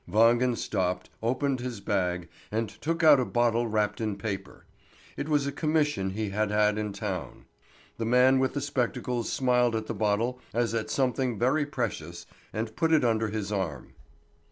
Wangen stopped, opened his bag, and took out a bottle wrapped in paper. It was a commission he had had in town. The man with the spectacles smiled at the bottle as at something very precious, and put it under his arm.